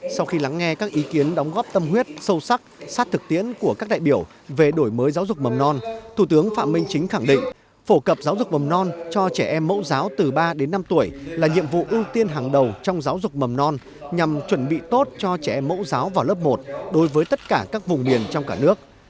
sau khi lắng nghe các ý kiến đóng góp tâm huyết sâu sắc sát thực tiễn của các đại biểu về đổi mới giáo dục mầm non thủ tướng phạm minh chính khẳng định phổ cập giáo dục mầm non cho trẻ em mẫu giáo từ ba đến năm tuổi là nhiệm vụ ưu tiên hàng đầu trong giáo dục mầm non nhằm chuẩn bị tốt cho trẻ em mẫu giáo vào lớp một đối với tất cả các vùng miền trong cả nước